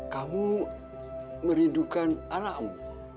kamu merindukan anakmu